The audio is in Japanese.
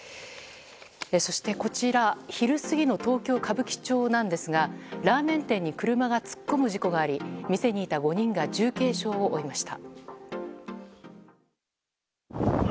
そして、こちらは昼過ぎの東京・歌舞伎町ですがラーメン店に車が突っ込む事故があり店にいた５人が重軽傷を負いました。